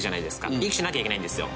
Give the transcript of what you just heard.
「息しなきゃいけないんですよ」